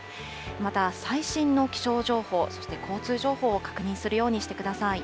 また最新の気象情報、そして交通情報を確認するようにしてください。